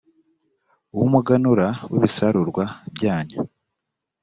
w umuganura w ibisarurwa byanyu